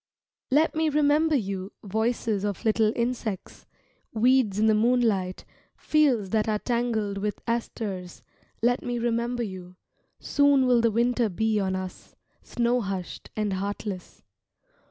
Let me remember you, voices of little insects, Weeds in the moonlight, fields that are tangled with asters, Let me remember you, soon will the winter be on us, Snow hushed and heartless.